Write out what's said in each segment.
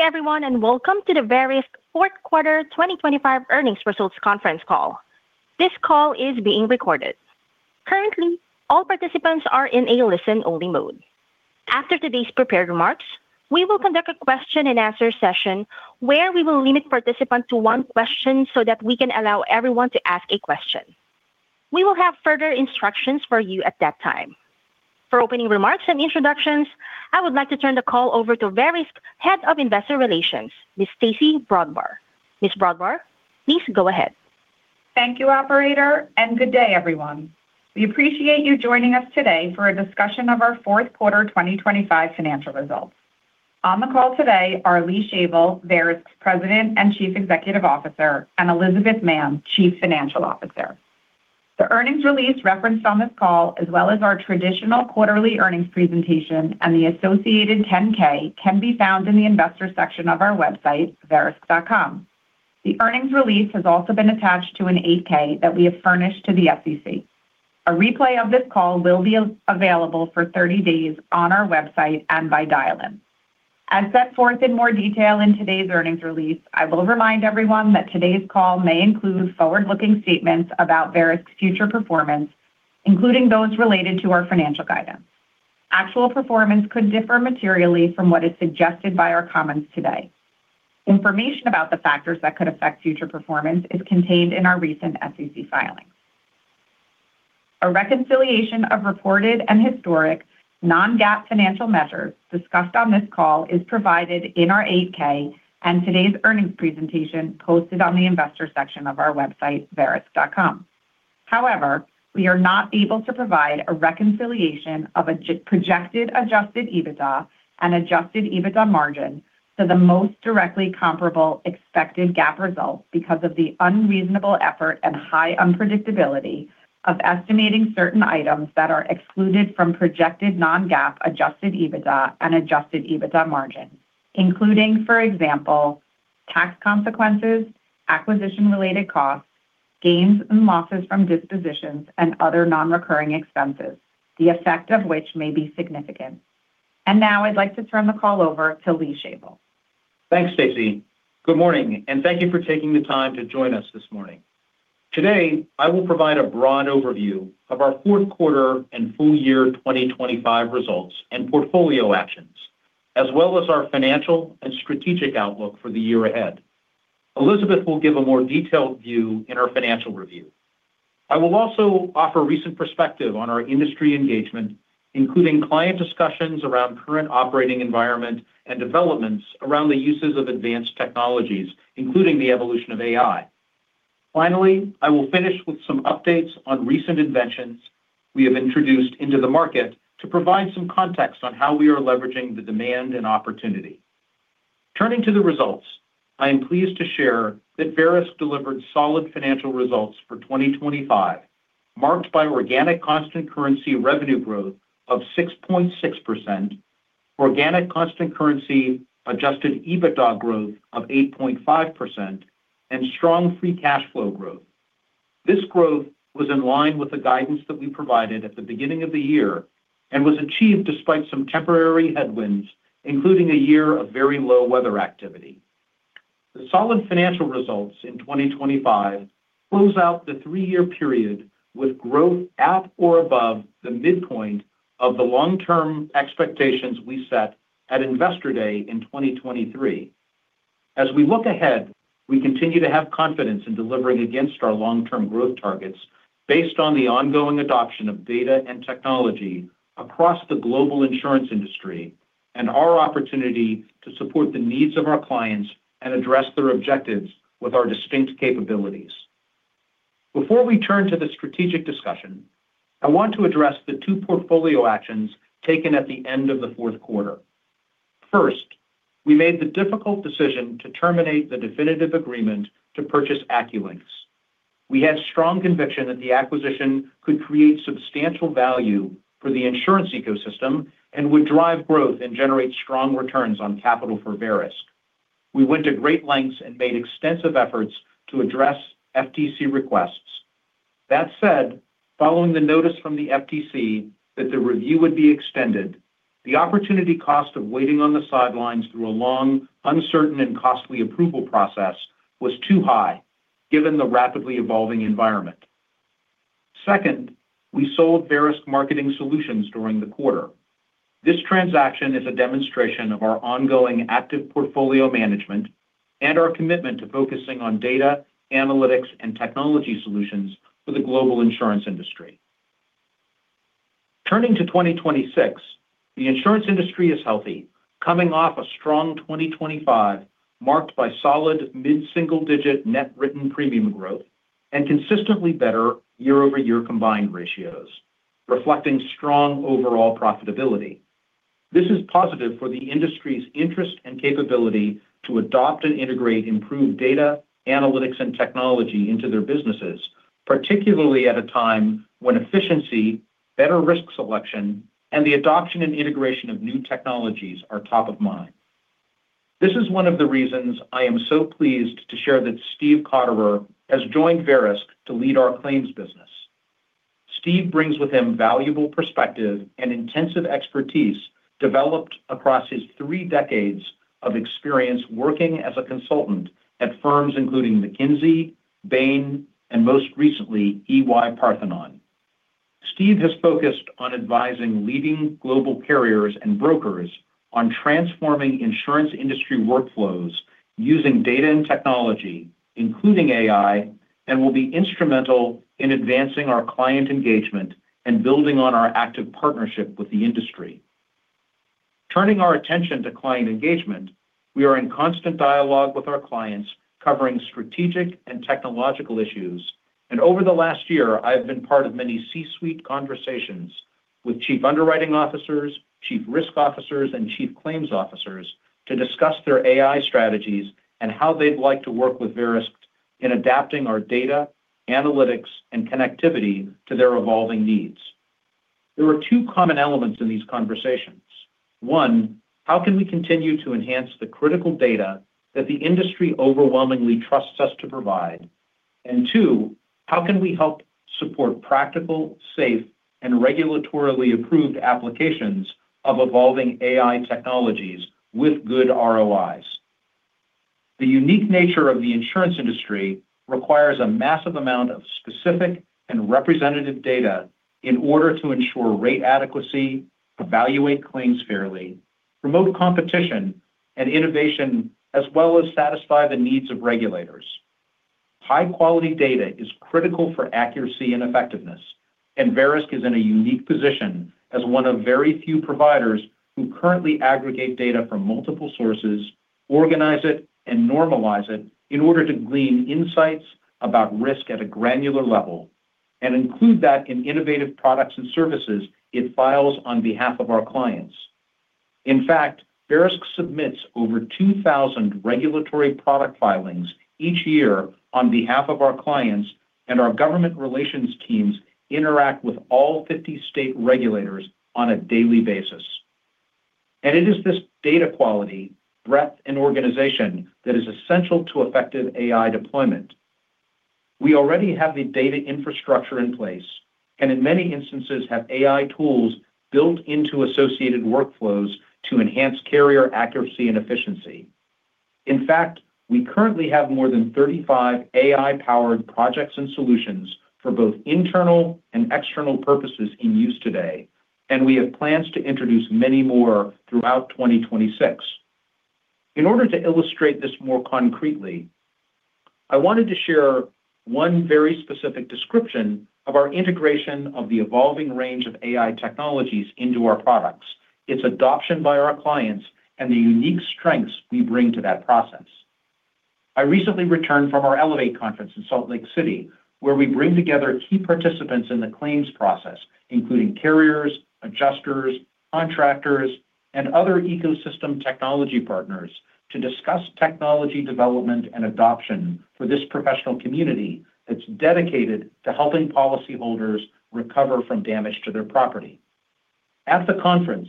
Good day everyone, and welcome to the Verisk fourth quarter 2025 earnings results conference call. This call is being recorded. Currently, all participants are in a listen-only mode. After today's prepared remarks, we will conduct a question and answer session where we will limit participants to one question so that we can allow everyone to ask a question. We will have further instructions for you at that time. For opening remarks and introductions, I would like to turn the call over to Verisk Head of Investor Relations, Miss Stacey Brodbar. Miss Brodbar, please go ahead. Thank you, operator, and good day, everyone. We appreciate you joining us today for a discussion of our fourth quarter 2025 financial results. On the call today are Lee Shavel, Verisk President and Chief Executive Officer, and Elizabeth Mann, Chief Financial Officer. The earnings release referenced on this call, as well as our traditional quarterly earnings presentation and the associated 10-K, can be found in the investor section of our website, verisk.com. The earnings release has also been attached to an 8-K that we have furnished to the SEC. A replay of this call will be available for 30 days on our website and by dial-in. As set forth in more detail in today's earnings release, I will remind everyone that today's call may include forward-looking statements about Verisk's future performance, including those related to our financial guidance. Actual performance could differ materially from what is suggested by our comments today. Information about the factors that could affect future performance is contained in our recent SEC filings. A reconciliation of reported and historic non-GAAP financial measures discussed on this call is provided in our 8-K and today's earnings presentation posted on the investor section of our website, verisk.com. However, we are not able to provide a reconciliation of a projected adjusted EBITDA and adjusted EBITDA margin to the most directly comparable expected GAAP results because of the unreasonable effort and high unpredictability of estimating certain items that are excluded from projected non-GAAP adjusted EBITDA and adjusted EBITDA margin, including, for example, tax consequences, acquisition-related costs, gains and losses from dispositions, and other non-recurring expenses, the effect of which may be significant. Now I'd like to turn the call over to Lee Shavel. Thanks, Stacey. Good morning, and thank you for taking the time to join us this morning. Today, I will provide a broad overview of our fourth quarter and full year 2025 results and portfolio actions, as well as our financial and strategic outlook for the year ahead. Elizabeth will give a more detailed view in our financial review. I will also offer recent perspective on our industry engagement, including client discussions around current operating environment and developments around the uses of advanced technologies, including the evolution of AI. Finally, I will finish with some updates on recent inventions we have introduced into the market to provide some context on how we are leveraging the demand and opportunity. Turning to the results, I am pleased to share that Verisk delivered solid financial results for 2025, marked by organic constant currency revenue growth of 6.6%, organic constant currency Adjusted EBITDA growth of 8.5%, and strong free cash flow growth. This growth was in line with the guidance that we provided at the beginning of the year and was achieved despite some temporary headwinds, including a year of very low weather activity. The solid financial results in 2025 close out the three-year period with growth at or above the midpoint of the long-term expectations we set at Investor Day in 2023. As we look ahead, we continue to have confidence in delivering against our long-term growth targets based on the ongoing adoption of data and technology across the global insurance industry and our opportunity to support the needs of our clients and address their objectives with our distinct capabilities. Before we turn to the strategic discussion, I want to address the two portfolio actions taken at the end of the fourth quarter. First, we made the difficult decision to terminate the definitive agreement to purchase AccuLynx. We had strong conviction that the acquisition could create substantial value for the insurance ecosystem and would drive growth and generate strong returns on capital for Verisk. We went to great lengths and made extensive efforts to address FTC requests. That said, following the notice from the FTC that the review would be extended, the opportunity cost of waiting on the sidelines through a long, uncertain, and costly approval process was too high, given the rapidly evolving environment. Second, we sold Verisk Marketing Solutions during the quarter. This transaction is a demonstration of our ongoing active portfolio management and our commitment to focusing on data, analytics, and technology solutions for the global insurance industry. Turning to 2026, the insurance industry is healthy, coming off a strong 2025, marked by solid mid-single-digit net written premium growth and consistently better year-over-year combined ratios, reflecting strong overall profitability. This is positive for the industry's interest and capability to adopt and integrate improved data, analytics, and technology into their businesses, particularly at a time when efficiency, better risk selection, and the adoption and integration of new technologies are top of mind. This is one of the reasons I am so pleased to share that Steven Kauderer has joined Verisk to lead our claims business. Steven Kauderer brings with him valuable perspective and intensive expertise developed across his three decades of experience working as a consultant at firms including McKinsey, Bain, and most recently, EY-Parthenon. Steven Kauderer has focused on advising leading global carriers and brokers on transforming insurance industry workflows using data and technology, including AI, and will be instrumental in advancing our client engagement and building on our active partnership with the industry. Turning our attention to client engagement, we are in constant dialogue with our clients covering strategic and technological issues, and over the last year, I've been part of many C-suite conversations with chief underwriting officers, chief risk officers, and chief claims officers to discuss their AI strategies and how they'd like to work with Verisk in adapting our data, analytics, and connectivity to their evolving needs. There are two common elements in these conversations. One, how can we continue to enhance the critical data that the industry overwhelmingly trusts us to provide? And two, how can we help support practical, safe, and regulatorily approved applications of evolving AI technologies with good ROIs? The unique nature of the insurance industry requires a massive amount of specific and representative data in order to ensure rate adequacy, evaluate claims fairly, promote competition and innovation, as well as satisfy the needs of regulators. High-quality data is critical for accuracy and effectiveness, and Verisk is in a unique position as one of very few providers who currently aggregate data from multiple sources, organize it, and normalize it in order to glean insights about risk at a granular level and include that in innovative products and services it files on behalf of our clients. In fact, Verisk submits over 2,000 regulatory product filings each year on behalf of our clients, and our government relations teams interact with all 50 state regulators on a daily basis. It is this data quality, breadth, and organization that is essential to effective AI deployment. We already have the data infrastructure in place, and in many instances, have AI tools built into associated workflows to enhance carrier accuracy and efficiency. In fact, we currently have more than 35 AI-powered projects and solutions for both internal and external purposes in use today, and we have plans to introduce many more throughout 2026. In order to illustrate this more concretely, I wanted to share one very specific description of our integration of the evolving range of AI technologies into our products, its adoption by our clients, and the unique strengths we bring to that process. I recently returned from our Elevate conference in Salt Lake City, where we bring together key participants in the claims process, including carriers, adjusters, contractors, and other ecosystem technology partners, to discuss technology development and adoption for this professional community that's dedicated to helping policyholders recover from damage to their property. At the conference,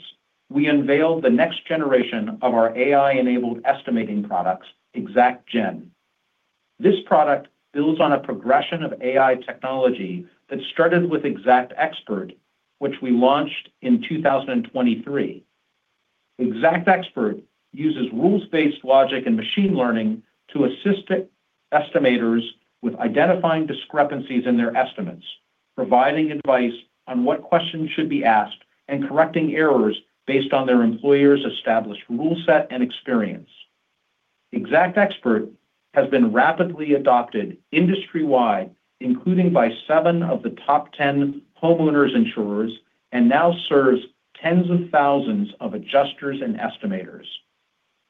we unveiled the next generation of our AI-enabled estimating products, XactGen. This product builds on a progression of AI technology that started with XactXpert, which we launched in 2023. XactXpert uses rules-based logic and machine learning to assist estimators with identifying discrepancies in their estimates, providing advice on what questions should be asked, and correcting errors based on their employer's established rule set and experience. XactXpert has been rapidly adopted industry-wide, including by seven of the top ten homeowners insurers, and now serves tens of thousands of adjusters and estimators.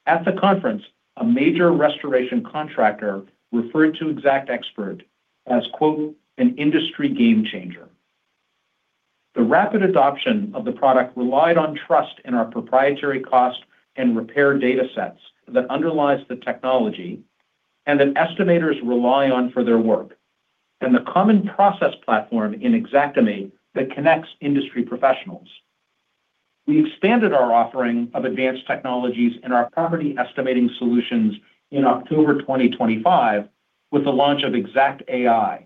At the conference, a major restoration contractor referred to XactXpert as, quote, "An industry game changer." The rapid adoption of the product relied on trust in our proprietary cost and repair data sets that underlies the technology and that estimators rely on for their work, and the common process platform in Xactimate that connects industry professionals. We expanded our offering of advanced technologies in our Property Estimating Solutions in October 2025 with the launch of XactAI.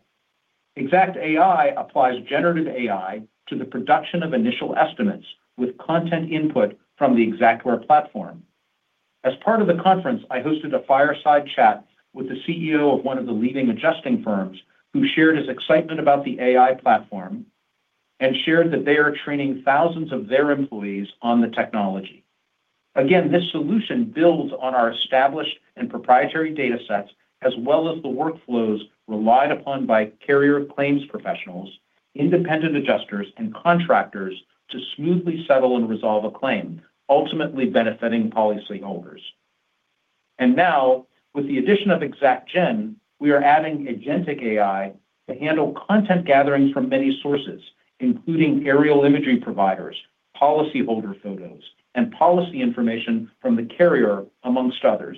XactAI applies generative AI to the production of initial estimates with content input from the Xactware platform. As part of the conference, I hosted a fireside chat with the CEO of one of the leading adjusting firms, who shared his excitement about the AI platform and shared that they are training thousands of their employees on the technology. Again, this solution builds on our established and proprietary data sets, as well as the workflows relied upon by carrier claims professionals, independent adjusters, and contractors to smoothly settle and resolve a claim, ultimately benefiting policyholders. And now, with the addition of XactGen, we are adding agentic AI to handle content gatherings from many sources, including aerial imagery providers, policyholder photos, and policy information from the carrier, among others,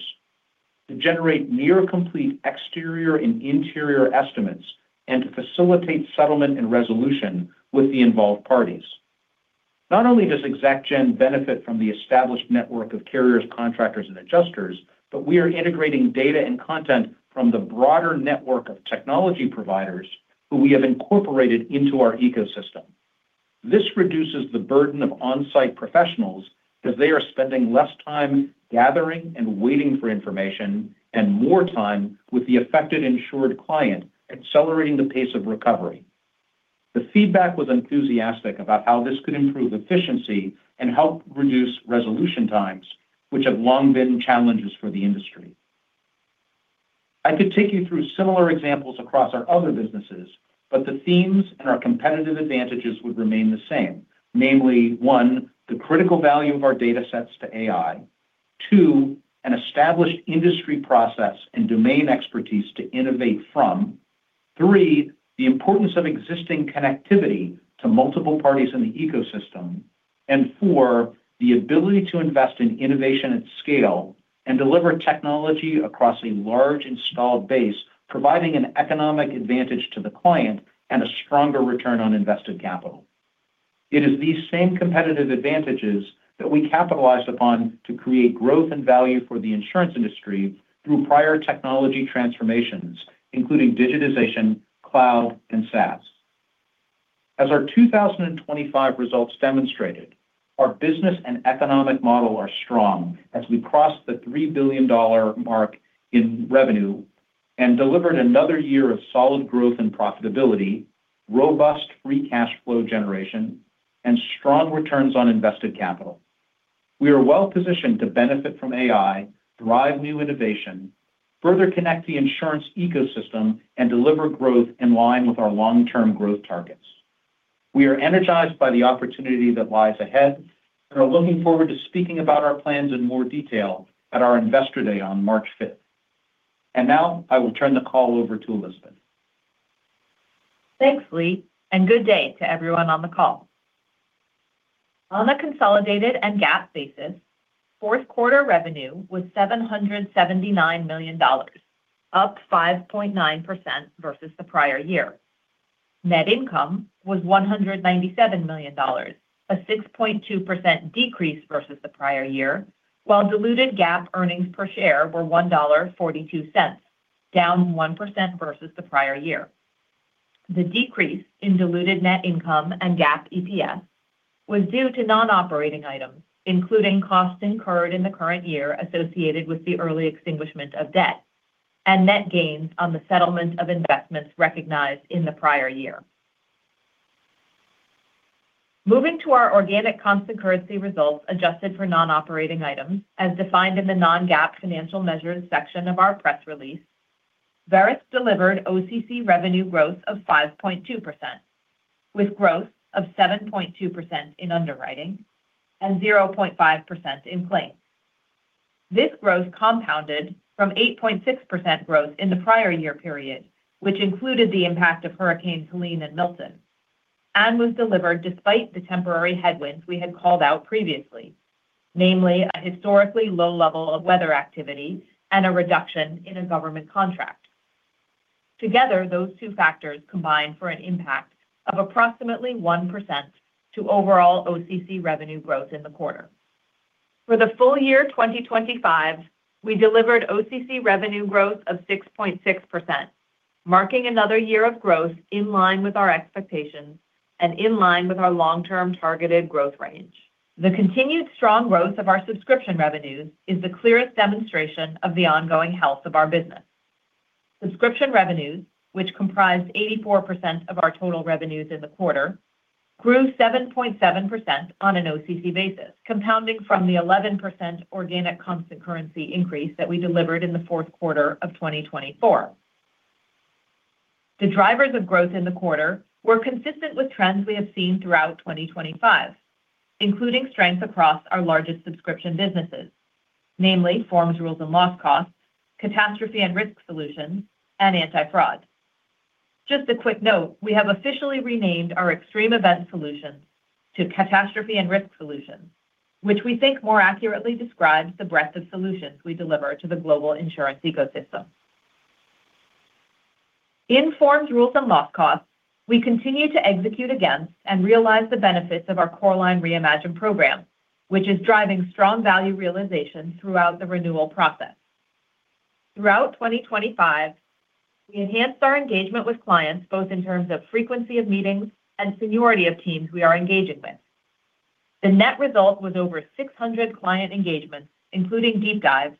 to generate near complete exterior and interior estimates and to facilitate settlement and resolution with the involved parties. Not only does XactGen benefit from the established network of carriers, contractors, and adjusters, but we are integrating data and content from the broader network of technology providers who we have incorporated into our ecosystem. This reduces the burden of on-site professionals because they are spending less time gathering and waiting for information and more time with the affected insured client, accelerating the pace of recovery. The feedback was enthusiastic about how this could improve efficiency and help reduce resolution times, which have long been challenges for the industry. I could take you through similar examples across our other businesses, but the themes and our competitive advantages would remain the same. Namely, one, the critical value of our datasets to AI. Two, an established industry process and domain expertise to innovate from. Three, the importance of existing connectivity to multiple parties in the ecosystem. And four, the ability to invest in innovation at scale and deliver technology across a large installed base, providing an economic advantage to the client and a stronger return on invested capital. It is these same competitive advantages that we capitalized upon to create growth and value for the insurance industry through prior technology transformations, including digitization, cloud, and SaaS. As our 2025 results demonstrated, our business and economic model are strong as we crossed the $3 billion mark in revenue and delivered another year of solid growth and profitability, robust free cash flow generation, and strong returns on invested capital. We are well positioned to benefit from AI, drive new innovation, further connect the insurance ecosystem, and deliver growth in line with our long-term growth targets. We are energized by the opportunity that lies ahead and are looking forward to speaking about our plans in more detail at our Investor Day on March 5th. Now I will turn the call over to Elizabeth. Thanks, Lee, and good day to everyone on the call. On a consolidated and GAAP basis, fourth quarter revenue was $779 million, up 5.9% versus the prior year. Net income was $197 million, a 6.2% decrease versus the prior year, while diluted GAAP earnings per share were $1.42, down 1% versus the prior year. The decrease in diluted net income and GAAP EPS was due to non-operating items, including costs incurred in the current year associated with the early extinguishment of debt and net gains on the settlement of investments recognized in the prior year. Moving to our organic constant currency results, adjusted for non-operating items, as defined in the non-GAAP financial measures section of our press release, Verisk delivered OCC revenue growth of 5.2%, with growth of 7.2% in underwriting and 0.5% in claims. This growth compounded from 8.6% growth in the prior year period, which included the impact of Hurricane Helene and Milton, and was delivered despite the temporary headwinds we had called out previously, namely a historically low level of weather activity and a reduction in a government contract. Together, those two factors combined for an impact of approximately 1% to overall OCC revenue growth in the quarter. For the full year 2025, we delivered OCC revenue growth of 6.6%, marking another year of growth in line with our expectations and in line with our long-term targeted growth range. The continued strong growth of our subscription revenues is the clearest demonstration of the ongoing health of our business. Subscription revenues, which comprised 84% of our total revenues in the quarter, grew 7.7% on an OCC basis, compounding from the 11% organic constant currency increase that we delivered in the fourth quarter of 2024. The drivers of growth in the quarter were consistent with trends we have seen throughout 2025, including strength across our largest subscription businesses, namely Forms, Rules, and Loss Costs, Catastrophe and Risk Solutions, and anti-fraud. Just a quick note, we have officially renamed our Extreme Event Solutions to Catastrophe and Risk Solutions, which we think more accurately describes the breadth of solutions we deliver to the global insurance ecosystem. In Forms, Rules, and Loss Costs, we continue to execute against and realize the benefits of our Core Lines Reimagine program, which is driving strong value realization throughout the renewal process. Throughout 2025, we enhanced our engagement with clients, both in terms of frequency of meetings and seniority of teams we are engaging with. The net result was over 600 client engagements, including deep dives,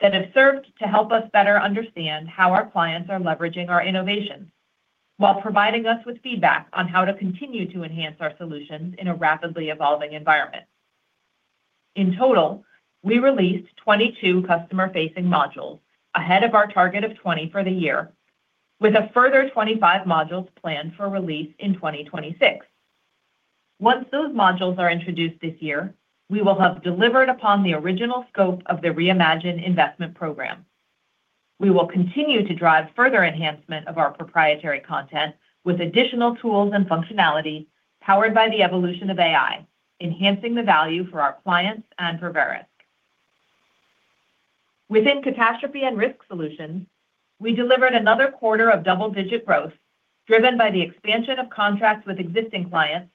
that have served to help us better understand how our clients are leveraging our innovations while providing us with feedback on how to continue to enhance our solutions in a rapidly evolving environment. In total, we released 22 customer-facing modules ahead of our target of 20 for the year, with a further 25 modules planned for release in 2026. Once those modules are introduced this year, we will have delivered upon the original scope of the Reimagine investment program. We will continue to drive further enhancement of our proprietary content with additional tools and functionality powered by the evolution of AI, enhancing the value for our clients and for Verisk. Within Catastrophe and Risk Solutions, we delivered another quarter of double-digit growth, driven by the expansion of contracts with existing clients,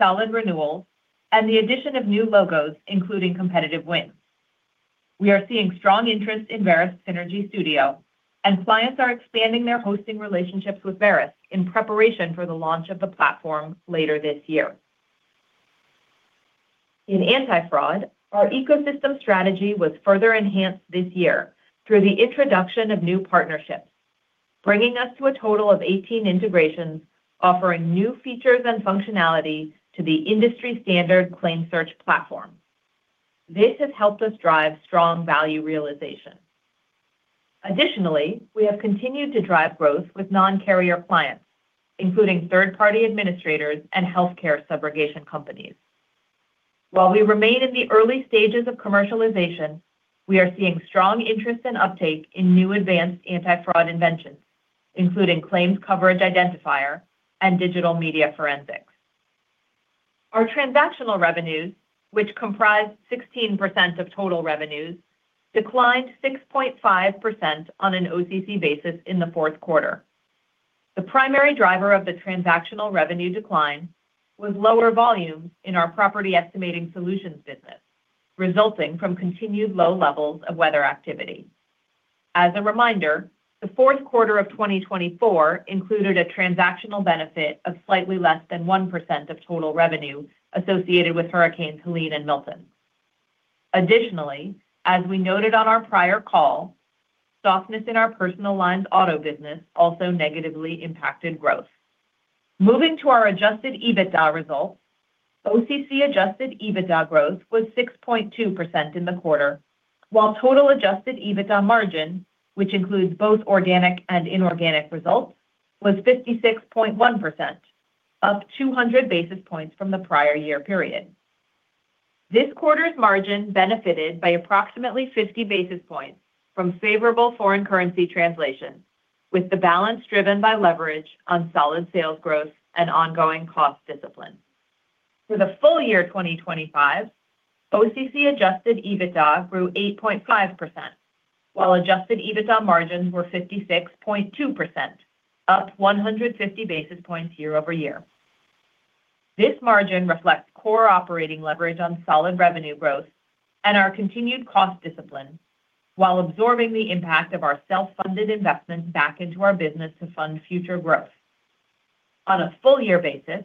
solid renewals, and the addition of new logos, including competitive wins. We are seeing strong interest in Verisk Synergy Studio, and clients are expanding their hosting relationships with Verisk in preparation for the launch of the platform later this year. In anti-fraud, our ecosystem strategy was further enhanced this year through the introduction of new partnerships, bringing us to a total of 18 integrations, offering new features and functionality to the industry-standard ClaimSearch platform. This has helped us drive strong value realization. Additionally, we have continued to drive growth with non-carrier clients, including third-party administrators and healthcare subrogation companies. While we remain in the early stages of commercialization, we are seeing strong interest and uptake in new advanced anti-fraud inventions, including Claims Coverage Identifier and Digital Media Forensics. Our transactional revenues, which comprise 16% of total revenues, declined 6.5% on an OCC basis in the fourth quarter. The primary driver of the transactional revenue decline was lower volumes in our Property Estimating Solutions business, resulting from continued low levels of weather activity. As a reminder, the fourth quarter of 2024 included a transactional benefit of slightly less than 1% of total revenue associated with Hurricane Helene and Milton. Additionally, as we noted on our prior call, softness in our personal lines auto business also negatively impacted growth. Moving to our adjusted EBITDA results, OCC adjusted EBITDA growth was 6.2% in the quarter, while total adjusted EBITDA margin, which includes both organic and inorganic results, was 56.1%, up 200 basis points from the prior year period. This quarter's margin benefited by approximately 50 basis points from favorable foreign currency translation, with the balance driven by leverage on solid sales growth and ongoing cost discipline. For the full year 2025, OCC adjusted EBITDA grew 8.5%, while adjusted EBITDA margins were 56.2%, up 150 basis points year-over-year. This margin reflects core operating leverage on solid revenue growth and our continued cost discipline while absorbing the impact of our self-funded investments back into our business to fund future growth. On a full year basis,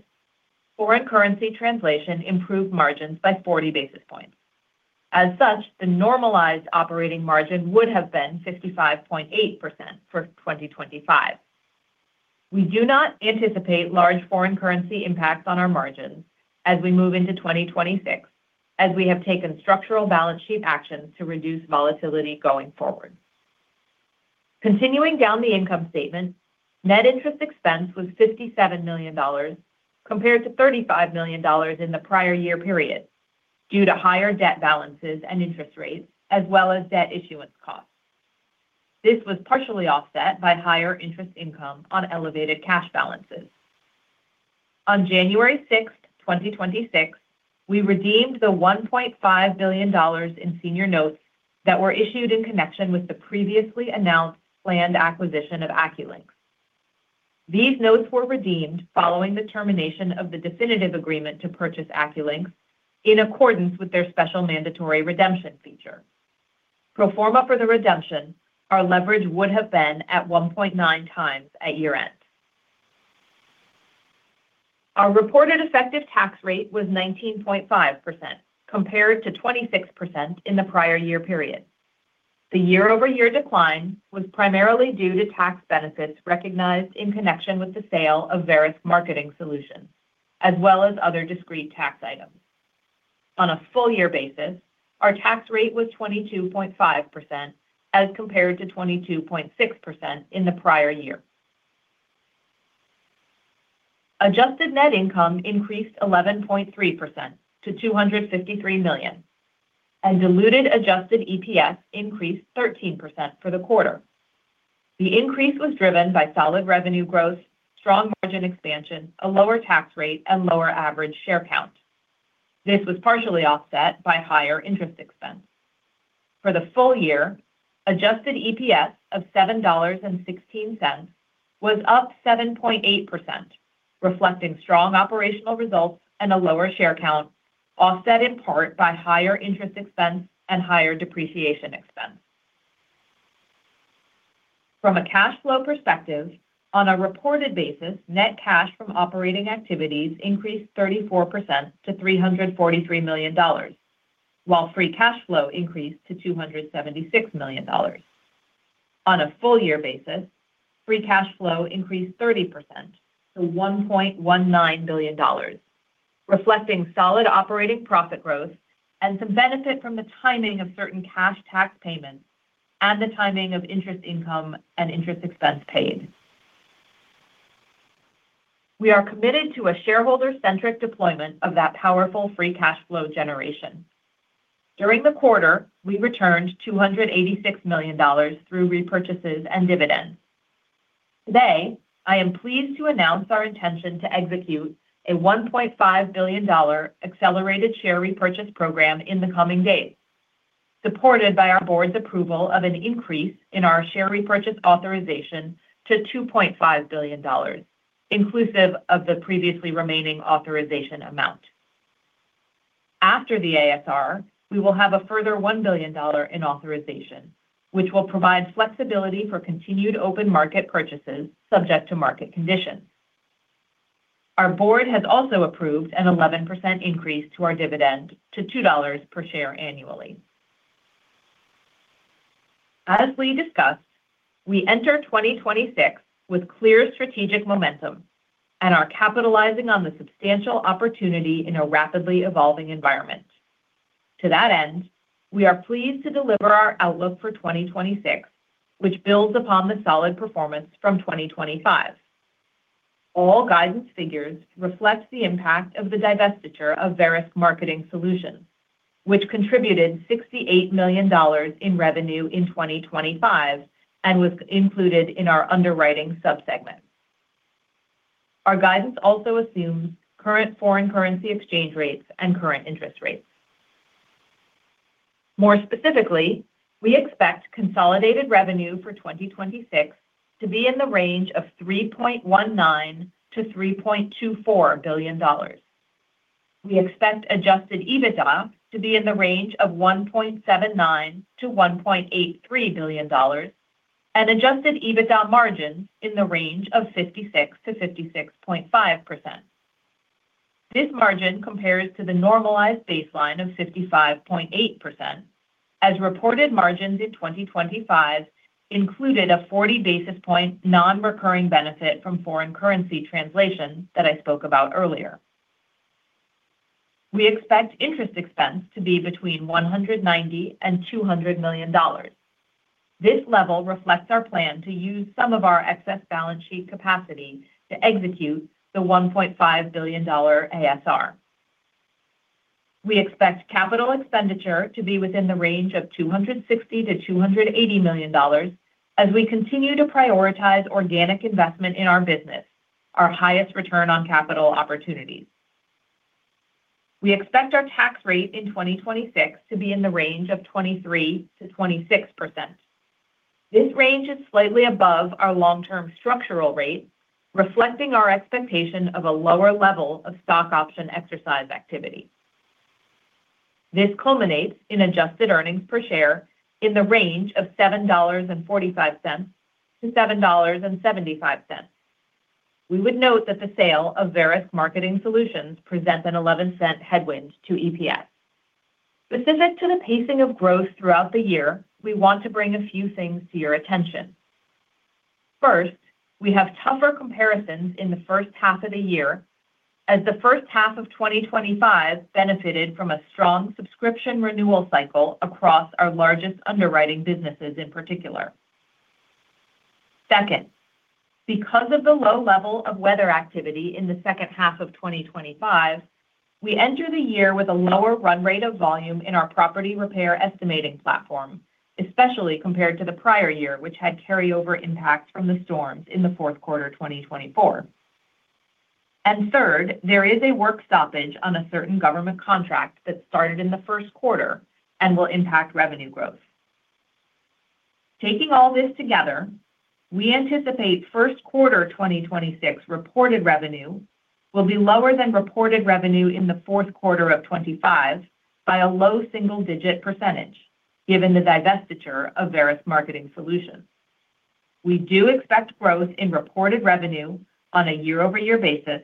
foreign currency translation improved margins by 40 basis points. As such, the normalized operating margin would have been 55.8% for 2025. We do not anticipate large foreign currency impacts on our margins as we move into 2026, as we have taken structural balance sheet actions to reduce volatility going forward. Continuing down the income statement, net interest expense was $57 million, compared to $35 million in the prior year period, due to higher debt balances and interest rates, as well as debt issuance costs. This was partially offset by higher interest income on elevated cash balances. On January sixth, 2026, we redeemed the $1.5 billion in senior notes that were issued in connection with the previously announced planned acquisition of AccuLynx. These notes were redeemed following the termination of the definitive agreement to purchase AccuLynx in accordance with their special mandatory redemption feature. Pro forma for the redemption, our leverage would have been at 1.9 times at year-end. Our reported effective tax rate was 19.5%, compared to 26% in the prior year period. The year-over-year decline was primarily due to tax benefits recognized in connection with the sale of Verisk Marketing Solutions, as well as other discrete tax items. On a full year basis, our tax rate was 22.5%, as compared to 22.6% in the prior year. Adjusted net income increased 11.3% to $253 million, and diluted adjusted EPS increased 13% for the quarter. The increase was driven by solid revenue growth, strong margin expansion, a lower tax rate, and lower average share count. This was partially offset by higher interest expense. For the full year, adjusted EPS of $7.16 was up 7.8%, reflecting strong operational results and a lower share count, offset in part by higher interest expense and higher depreciation expense. From a cash flow perspective, on a reported basis, net cash from operating activities increased 34% to $343 million, while free cash flow increased to $276 million. On a full year basis, free cash flow increased 30% to $1.19 billion, reflecting solid operating profit growth and some benefit from the timing of certain cash tax payments and the timing of interest income and interest expense paid. We are committed to a shareholder-centric deployment of that powerful free cash flow generation. During the quarter, we returned $286 million through repurchases and dividends. Today, I am pleased to announce our intention to execute a $1.5 billion accelerated share repurchase program in the coming days, supported by our board's approval of an increase in our share repurchase authorization to $2.5 billion, inclusive of the previously remaining authorization amount. After the ASR, we will have a further $1 billion in authorization, which will provide flexibility for continued open market purchases, subject to market conditions. Our board has also approved an 11% increase to our dividend to $2 per share annually. As Lee discussed, we enter 2026 with clear strategic momentum and are capitalizing on the substantial opportunity in a rapidly evolving environment. To that end, we are pleased to deliver our outlook for 2026, which builds upon the solid performance from 2025. All guidance figures reflect the impact of the divestiture of Verisk Marketing Solutions, which contributed $68 million in revenue in 2025 and was included in our underwriting sub-segment. Our guidance also assumes current foreign currency exchange rates and current interest rates. More specifically, we expect consolidated revenue for 2026 to be in the range of $3.19 billion-$3.24 billion. We expect adjusted EBITDA to be in the range of $1.79 billion-$1.83 billion and adjusted EBITDA margin in the range of 56%-56.5%. This margin compares to the normalized baseline of 55.8%, as reported margins in 2025 included a forty basis point non-recurring benefit from foreign currency translation that I spoke about earlier. We expect interest expense to be between $190 million and $200 million. This level reflects our plan to use some of our excess balance sheet capacity to execute the $1.5 billion ASR. We expect capital expenditure to be within the range of $260 million-$280 million as we continue to prioritize organic investment in our business, our highest return on capital opportunities. We expect our tax rate in 2026 to be in the range of 23%-26%. This range is slightly above our long-term structural rate, reflecting our expectation of a lower level of stock option exercise activity. This culminates in Adjusted earnings per share in the range of $7.45-$7.75. We would note that the sale of Verisk Marketing Solutions presents an 11-cent headwind to EPS. Specific to the pacing of growth throughout the year, we want to bring a few things to your attention. First, we have tougher comparisons in the first half of the year, as the first half of 2025 benefited from a strong subscription renewal cycle across our largest underwriting businesses in particular. Second, because of the low level of weather activity in the second half of 2025, we enter the year with a lower run rate of volume in our property repair estimating platform, especially compared to the prior year, which had carryover impact from the storms in the fourth quarter, 2024. And third, there is a work stoppage on a certain government contract that started in the first quarter and will impact revenue growth. Taking all this together, we anticipate first quarter 2026 reported revenue will be lower than reported revenue in the fourth quarter of 2025 by a low single-digit %, given the divestiture of Verisk Marketing Solutions. We do expect growth in reported revenue on a year-over-year basis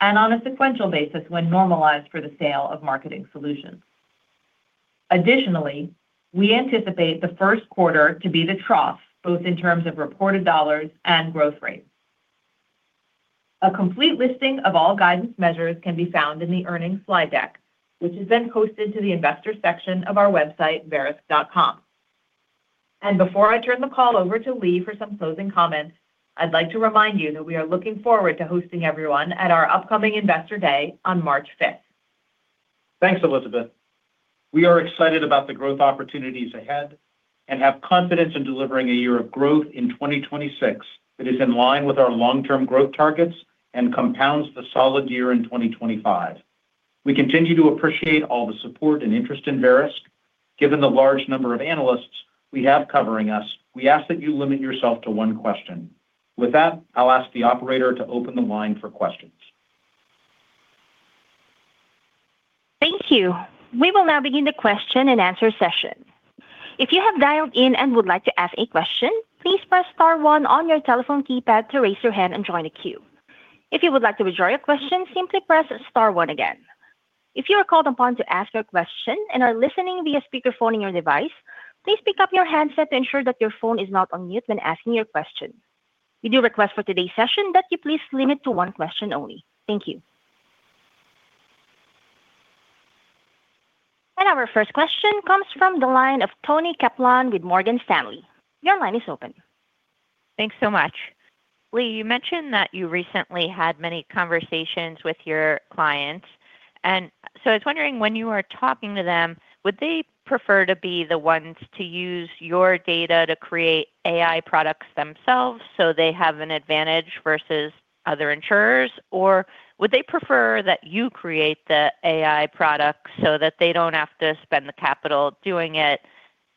and on a sequential basis when normalized for the sale of Marketing Solutions. Additionally, we anticipate the first quarter to be the trough, both in terms of reported dollars and growth rates. A complete listing of all guidance measures can be found in the earnings slide deck, which has been posted to the investor section of our website, verisk.com. Before I turn the call over to Lee for some closing comments, I'd like to remind you that we are looking forward to hosting everyone at our upcoming Investor Day on March fifth. Thanks, Elizabeth. We are excited about the growth opportunities ahead and have confidence in delivering a year of growth in 2026 that is in line with our long-term growth targets and compounds the solid year in 2025. We continue to appreciate all the support and interest in Verisk. Given the large number of analysts we have covering us, we ask that you limit yourself to one question. With that, I'll ask the operator to open the line for questions. Thank you. We will now begin the question and answer session. If you have dialed in and would like to ask a question, please press star one on your telephone keypad to raise your hand and join the queue. If you would like to withdraw your question, simply press star one again. If you are called upon to ask your question and are listening via speakerphone on your device, please pick up your handset to ensure that your phone is not on mute when asking your question. We do request for today's session that you please limit to one question only. Thank you. Our first question comes from the line of Toni Kaplan with Morgan Stanley. Your line is open. Thanks so much. Lee, you mentioned that you recently had many conversations with your clients... I was wondering, when you are talking to them, would they prefer to be the ones to use your data to create AI products themselves so they have an advantage versus other insurers? Or would they prefer that you create the AI products so that they don't have to spend the capital doing it?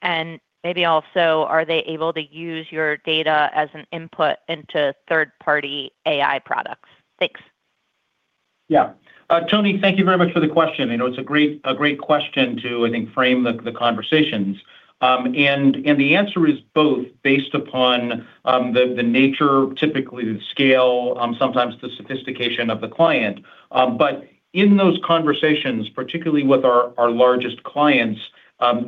And maybe also, are they able to use your data as an input into third-party AI products? Thanks. Yeah. Toni, thank you very much for the question. You know, it's a great, a great question to, I think, frame the, the conversations. And, and the answer is both based upon, the, the nature, typically the scale, sometimes the sophistication of the client. But in those conversations, particularly with our, our largest clients,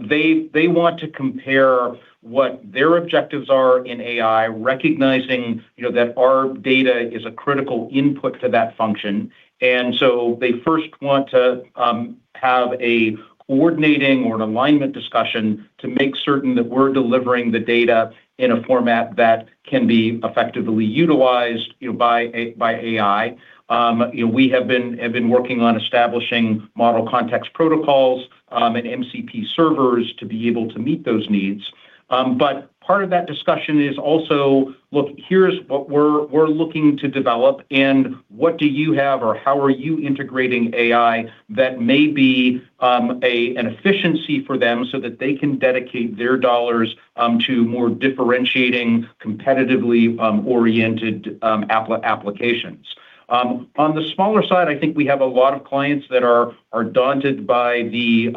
they, they want to compare what their objectives are in AI, recognizing, you know, that our data is a critical input to that function. And so they first want to, have a coordinating or an alignment discussion to make certain that we're delivering the data in a format that can be effectively utilized, you know, by a, by AI. You know, we have been working on establishing model context protocols, and MCP servers to be able to meet those needs. But part of that discussion is also, look, here's what we're looking to develop and what do you have or how are you integrating AI that may be an efficiency for them so that they can dedicate their dollars to more differentiating, competitively oriented applications. On the smaller side, I think we have a lot of clients that are daunted by the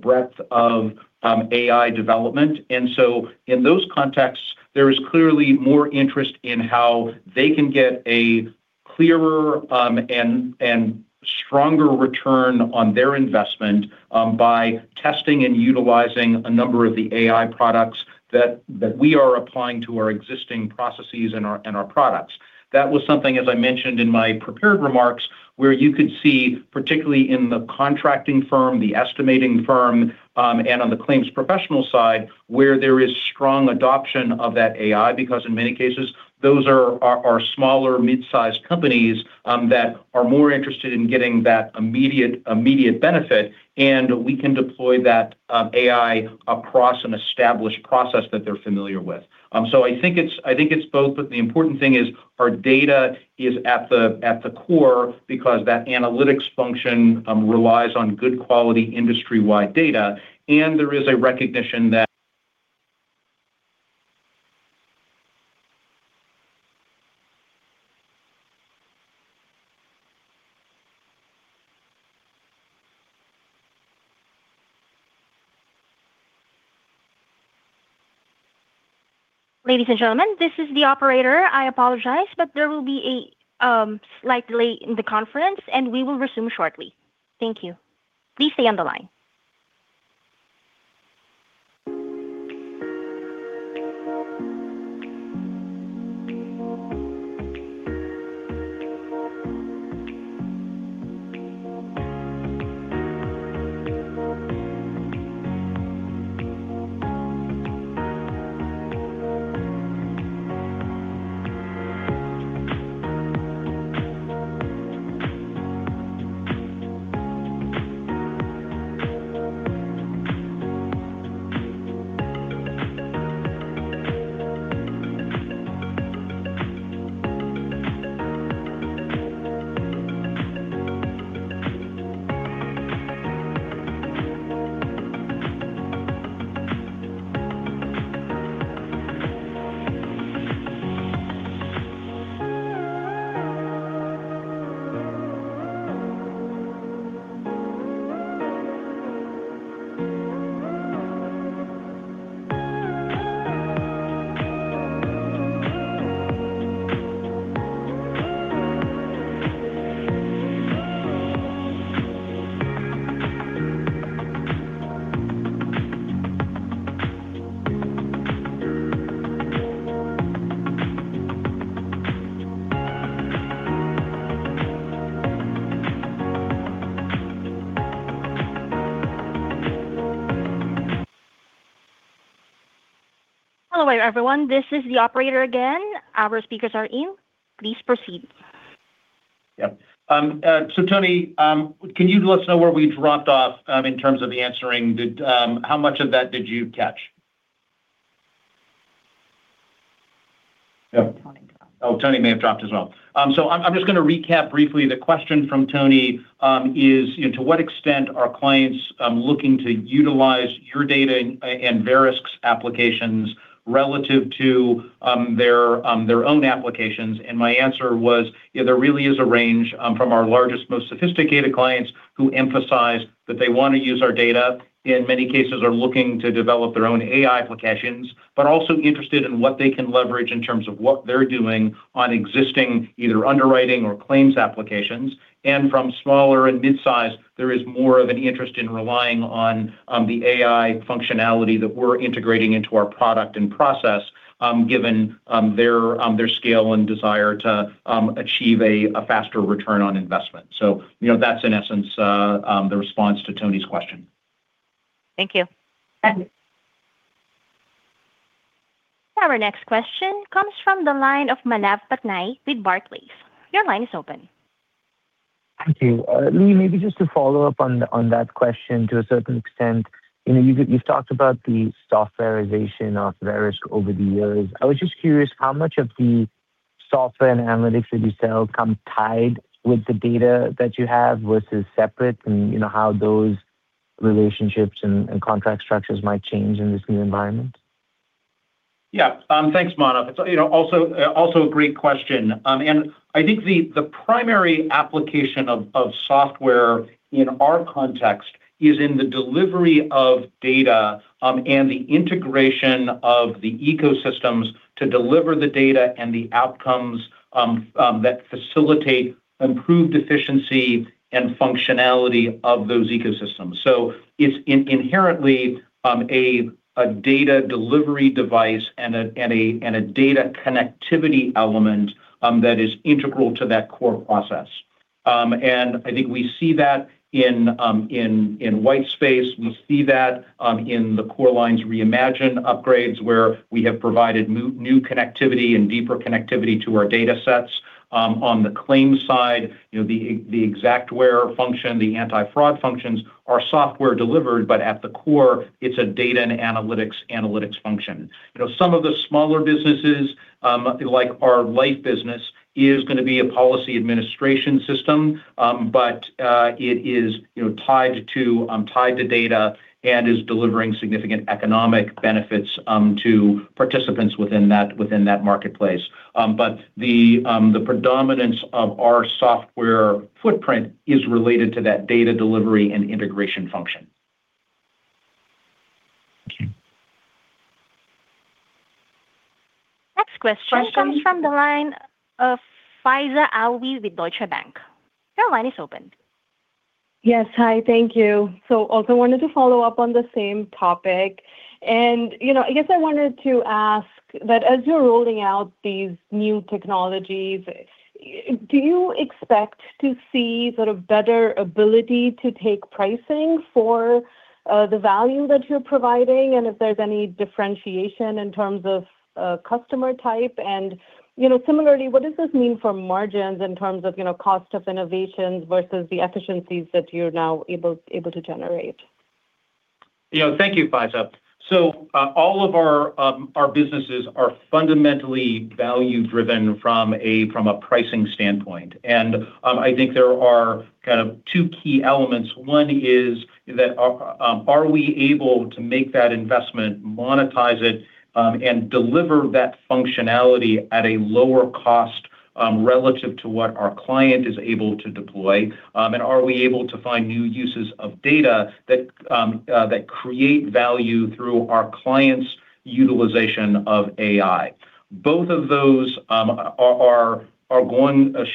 breadth of AI development. And so in those contexts, there is clearly more interest in how they can get a clearer and stronger return on their investment by testing and utilizing a number of the AI products that we are applying to our existing processes and our products. That was something, as I mentioned in my prepared remarks, where you could see, particularly in the contracting firm, the estimating firm, and on the claims professional side, where there is strong adoption of that AI, because in many cases those are smaller, mid-sized companies that are more interested in getting that immediate benefit, and we can deploy that AI across an established process that they're familiar with. So I think it's both, but the important thing is our data is at the core because that analytics function relies on good quality industry-wide data, and there is a recognition that- Ladies and gentlemen, this is the operator. I apologize, but there will be a slight delay in the conference, and we will resume shortly. Thank you. Please stay on the line. Hello, everyone. This is the operator again. Our speakers are in. Please proceed. Yep. So Toni, can you let us know where we dropped off in terms of the answering? Did how much of that did you catch? Yeah. Toni dropped. Oh, Toni may have dropped as well. So I'm just gonna recap briefly. The question from Toni is: you know, to what extent are clients looking to utilize your data and Verisk's applications relative to their own applications? And my answer was, you know, there really is a range from our largest, most sophisticated clients who emphasize that they want to use our data, in many cases, are looking to develop their own AI applications, but also interested in what they can leverage in terms of what they're doing on existing, either underwriting or claims applications. And from smaller and mid-sized, there is more of an interest in relying on the AI functionality that we're integrating into our product and process, given their scale and desire to achieve a faster return on investment. You know, that's in essence the response to Toni's question. Thank you. Okay. Our next question comes from the line of Manav Patnaik with Barclays. Your line is open. Thank you. Lee, maybe just to follow up on that question to a certain extent, you know, you've talked about the softwarization of Verisk over the years. I was just curious how much of the software and analytics that you sell come tied with the data that you have versus separate, and, you know, how those relationships and contract structures might change in this new environment? Yeah, thanks, Manav. It's, you know, also, also a great question. And I think the primary application of software in our context is in the delivery of data, and the integration of the ecosystems to deliver the data and the outcomes that facilitate improved efficiency and functionality of those ecosystems. So it's inherently a data delivery device and a data connectivity element that is integral to that core process. And I think we see that in Whitespace. We see that in the Core Lines Reimagine upgrades, where we have provided new connectivity and deeper connectivity to our datasets. On the claims side, you know, the Xactware function, the anti-fraud functions are software delivered, but at the core, it's a data and analytics function. You know, some of the smaller businesses, like our life business, is gonna be a policy administration system, but, it is, you know, tied to, tied to data and is delivering significant economic benefits, to participants within that, within that marketplace. But the, the predominance of our software footprint is related to that data delivery and integration function. Thank you. Next question comes from the line of Faiza Alwy with Deutsche Bank. Your line is open. Yes. Hi, thank you. So also wanted to follow up on the same topic, and, you know, I guess I wanted to ask that as you're rolling out these new technologies, do you expect to see sort of better ability to take pricing for the value that you're providing? And if there's any differentiation in terms of customer type, and, you know, similarly, what does this mean for margins in terms of cost of innovations versus the efficiencies that you're now able to generate? You know, thank you, Faiza. All of our businesses are fundamentally value-driven from a pricing standpoint. I think there are kind of two key elements. One is that, are we able to make that investment, monetize it, and deliver that functionality at a lower cost, relative to what our client is able to deploy? Are we able to find new uses of data that create value through our clients' utilization of AI? Both of those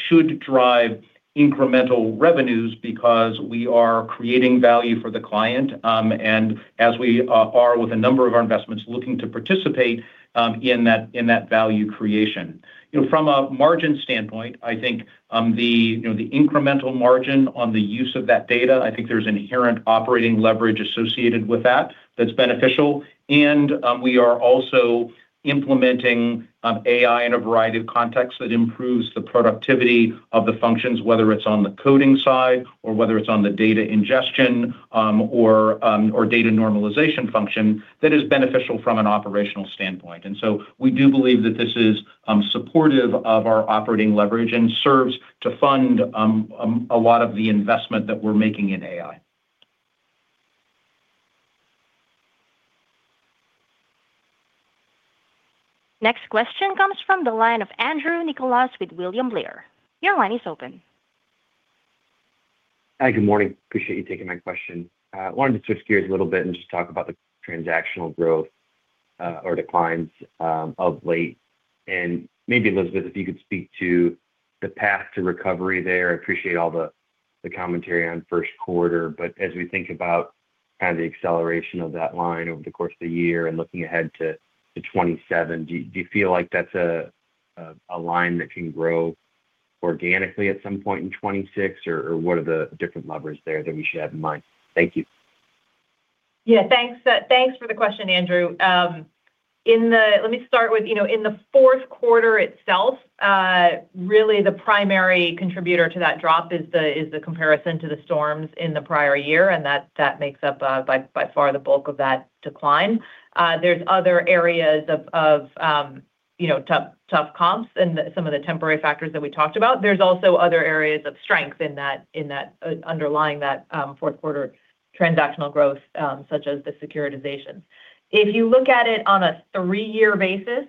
should drive incremental revenues because we are creating value for the client, and as we are with a number of our investments, looking to participate in that value creation. You know, from a margin standpoint, I think, you know, the incremental margin on the use of that data, I think there's inherent operating leverage associated with that, that's beneficial. And we are also implementing AI in a variety of contexts that improves the productivity of the functions, whether it's on the coding side or whether it's on the data ingestion, or data normalization function that is beneficial from an operational standpoint. And so we do believe that this is supportive of our operating leverage and serves to fund a lot of the investment that we're making in AI. Next question comes from the line of Andrew Nicholas with William Blair. Your line is open. Hi, good morning. I appreciate you taking my question. Wanted to switch gears a little bit and just talk about the transactional growth or declines of late. And maybe, Elizabeth, if you could speak to the path to recovery there. I appreciate all the commentary on first quarter, but as we think about kind of the acceleration of that line over the course of the year and looking ahead to 2027, do you feel like that's a line that can grow organically at some point in 2026? Or what are the different levers there that we should have in mind? Thank you. Yeah, thanks, thanks for the question, Andrew. Let me start with, you know, in the fourth quarter itself, really the primary contributor to that drop is the, is the comparison to the storms in the prior year, and that, that makes up, by, by far the bulk of that decline. There's other areas of, you know, tough comps and some of the temporary factors that we talked about. There's also other areas of strength in that, in that, underlying that, fourth quarter transactional growth, such as the securitizations. If you look at it on a three-year basis,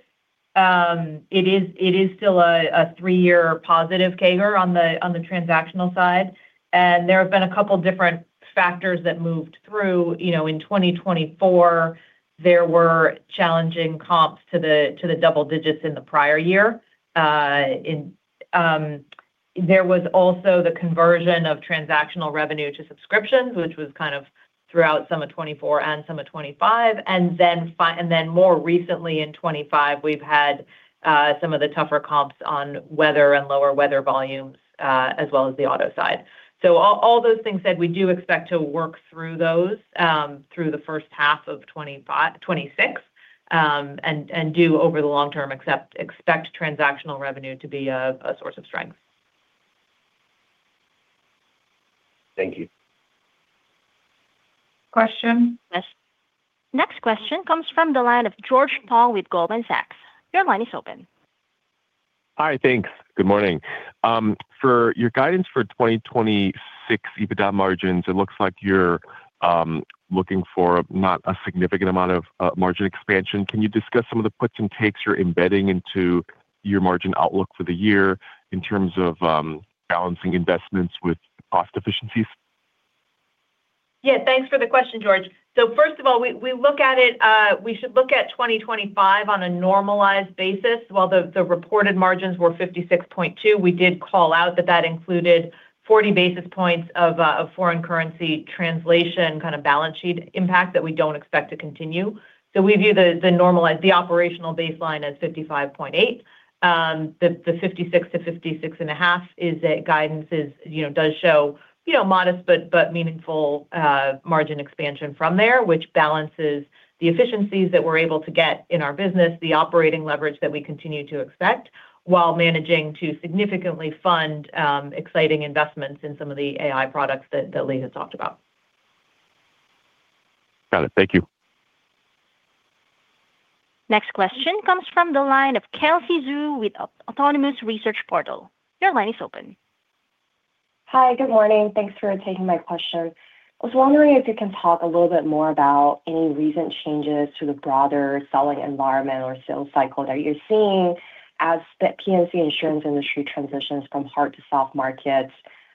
it is, it is still a, a three-year positive CAGR on the, on the transactional side, and there have been a couple different factors that moved through. You know, in 2024, there were challenging comps to the double digits in the prior year. There was also the conversion of transactional revenue to subscriptions, which was kind of throughout summer 2024 and summer 2025. And then more recently in 2025, we've had some of the tougher comps on weather and lower weather volumes, as well as the auto side. So all those things said, we do expect to work through those through the first half of 2026, and do over the long term, expect transactional revenue to be a source of strength. Thank you. Question? Yes. Next question comes from the line of George Tong with Goldman Sachs. Your line is open. Hi, thanks. Good morning. For your guidance for 2026 EBITDA margins, it looks like you're looking for not a significant amount of margin expansion. Can you discuss some of the puts and takes you're embedding into your margin outlook for the year in terms of balancing investments with cost efficiencies? Yeah, thanks for the question, George. So first of all, we look at it. We should look at 2025 on a normalized basis. While the reported margins were 56.2, we did call out that that included 40 basis points of a foreign currency translation, kind of, balance sheet impact that we don't expect to continue. So we view the normalized operational baseline as 55.8. The 56 to 56.5 is that guidance. You know, it does show modest but meaningful margin expansion from there, which balances the efficiencies that we're able to get in our business, the operating leverage that we continue to expect, while managing to significantly fund exciting investments in some of the AI products that Lee had talked about. Got it. Thank you. Next question comes from the line of Kelsey Zhu, with Autonomous Research Portal. Your line is open. Hi, good morning. Thanks for taking my question. I was wondering if you can talk a little bit more about any recent changes to the broader selling environment or sales cycle that you're seeing as the P&C insurance industry transitions from hard to soft markets.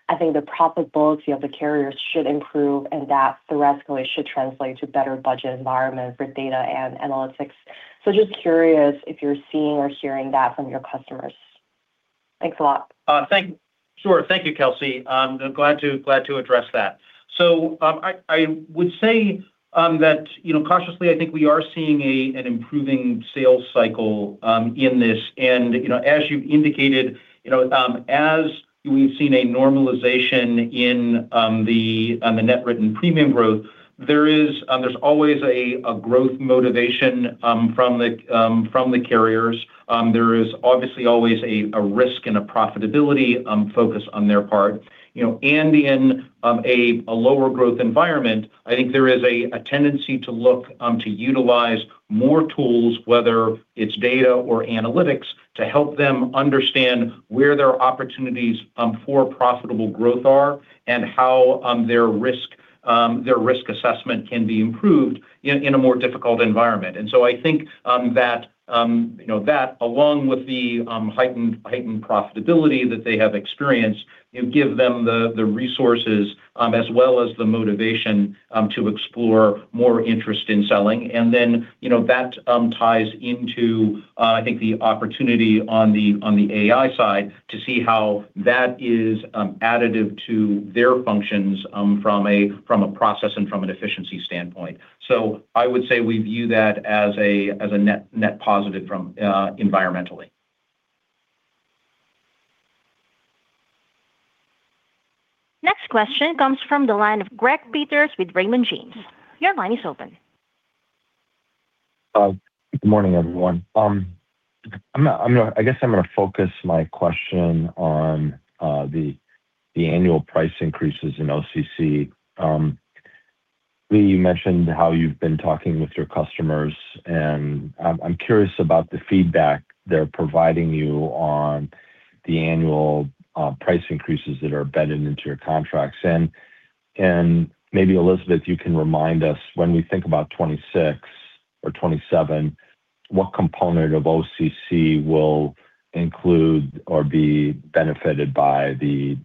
I think the profitability of the carriers should improve and that theoretically should translate to better budget environment for data and analytics. So just curious if you're seeing or hearing that from your customers. Thanks a lot. Sure. Thank you, Kelsey. I'm glad to address that. So, I would say that, you know, cautiously, I think we are seeing an improving sales cycle in this. And, you know, as you've indicated, you know, as we've seen a normalization in the net written premium growth, there is, there's always a growth motivation from the carriers. There is obviously always a risk and a profitability focus on their part. You know, and in a lower growth environment, I think there is a tendency to look to utilize more tools, whether it's data or analytics, to help them understand where their opportunities for profitable growth are and how their risk assessment can be improved in a more difficult environment. And so I think that, you know, that along with the heightened profitability that they have experienced, you give them the resources as well as the motivation to explore more interest in selling. And then, you know, that ties into, I think the opportunity on the AI side to see how that is additive to their functions from a process and from an efficiency standpoint. So I would say we view that as a net-net positive from environmentally. Next question comes from the line of Gregory Peters with Raymond James. Your line is open. Good morning, everyone. I guess I'm gonna focus my question on the annual price increases in OCC. Lee, you mentioned how you've been talking with your customers, and I'm curious about the feedback they're providing you on the annual price increases that are embedded into your contracts. Maybe, Elizabeth, you can remind us, when we think about 2026 or 2027, what component of OCC will include or be benefited by the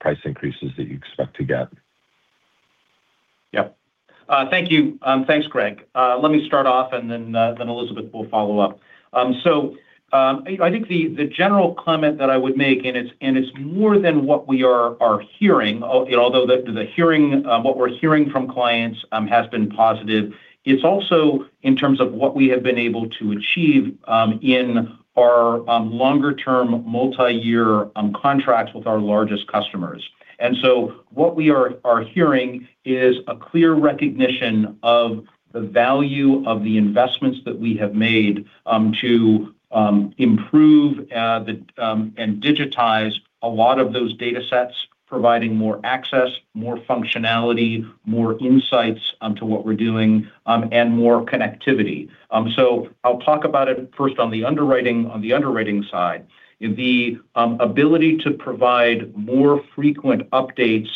price increases that you expect to get? Yep. Thank you. Thanks, Greg. Let me start off, and then Elizabeth will follow up. I think the general comment that I would make, and it's more than what we are hearing, although what we're hearing from clients has been positive. It's also in terms of what we have been able to achieve in our longer term, multi-year contracts with our largest customers. What we are hearing is a clear recognition of the value of the investments that we have made to improve the, and digitize a lot of those datasets, providing more access, more functionality, more insights to what we're doing, and more connectivity. I'll talk about it first on the underwriting. On the underwriting side, the ability to provide more frequent updates,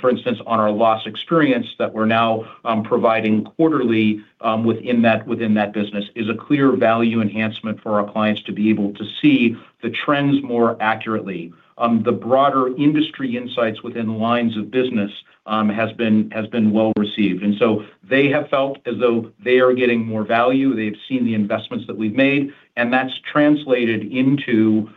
for instance, on our loss experience that we're now providing quarterly, within that, within that business, is a clear value enhancement for our clients to be able to see the trends more accurately. The broader industry insights within lines of business has been, has been well received, and so they have felt as though they are getting more value. They've seen the investments that we've made, and that's translated into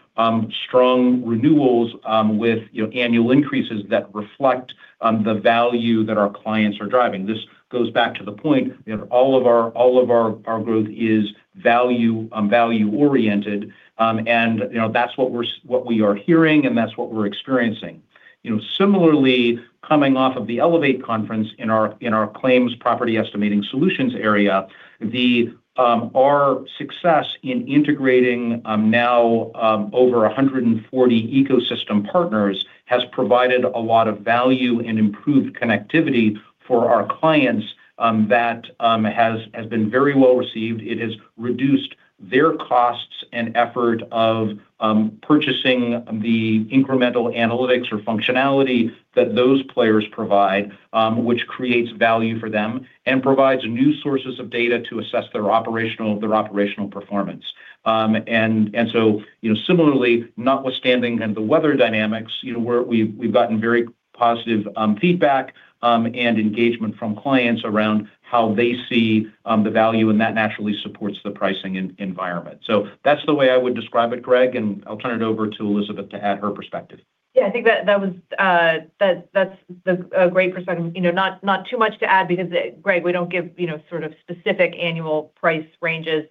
strong renewals, with, you know, annual increases that reflect the value that our clients are driving. This goes back to the point, you know, all of our, all of our, our growth is value, value-oriented, and, you know, that's what we're, what we are hearing, and that's what we're experiencing.... You know, similarly, coming off of the Elevate conference in our claims Property Estimating Solutions area, our success in integrating now over 140 ecosystem partners has provided a lot of value and improved connectivity for our clients that has been very well received. It has reduced their costs and effort of purchasing the incremental analytics or functionality that those players provide, which creates value for them and provides new sources of data to assess their operational performance. And so, you know, similarly, notwithstanding and the weather dynamics, you know, we've gotten very positive feedback and engagement from clients around how they see the value, and that naturally supports the pricing environment. That's the way I would describe it, Greg, and I'll turn it over to Elizabeth to add her perspective. Yeah, I think that was a great perspective. You know, not too much to add because, Greg, we don't give, you know, sort of specific annual price ranges